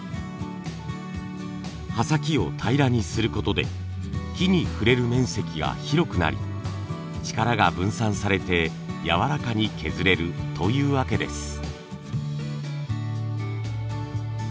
刃先を平らにする事で木に触れる面積が広くなり力が分散されてやわらかに削れるというわけです。